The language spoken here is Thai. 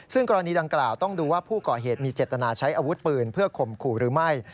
ซึ่งกรณีดังกล่าวต้องดูว่าผู้ก่อเหตุมีเจตนาใช้อาวุธปืนเพื่อข่มขู่หรือไม่